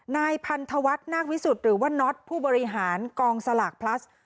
นายพันธวรรษนาควิสุฤหรือ๊อะน็อตผู้บริหารกองสลักพลัด